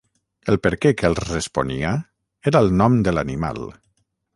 El “Perquè” que els responia era el nom de l'animal.